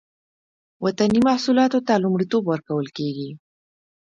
وطني محصولاتو ته لومړیتوب ورکول کیږي